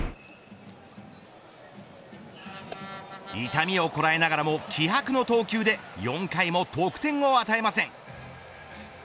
痛みをこらえながらも気迫の投球で４回も得点を与えません。